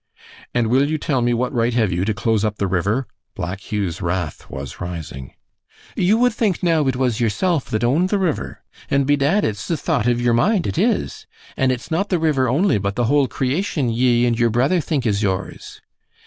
"And will you tell me what right hev you to close up the river?" Black Hugh's wrath was rising. "You wud think now it wuz yirsilf that owned the river. An' bedad it's the thought of yir mind, it is. An' it's not the river only, but the whole creation ye an yir brother think is yours."